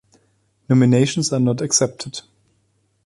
Nominations are not accepted.